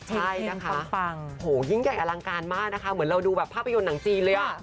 ใช่นะคะยิ่งใหญ่อลังการมากนะคะเหมือนเราดูแบบภาพยนตร์หนังจีนเลยอ่ะ